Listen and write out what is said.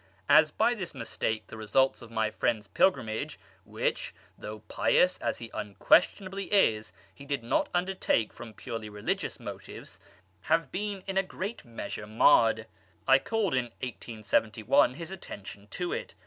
As by this mistake the results of my friends pilgrimage, which, though pious as he unquestionably is, he did not undertake from purely religious motives, have been in a great measure marred, I called in 1871 his attention to it.